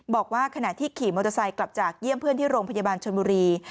บอกว่าขณะที่ขี่มอเตอร์ไซค์กลับจากเยี่ยมเพื่อนที่โรงพยาบาลชนบุรี